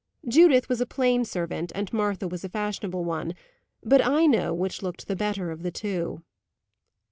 Judith was a plain servant, and Martha was a fashionable one; but I know which looked the better of the two.